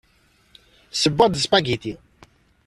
Ssewweɣ-d aspagiti.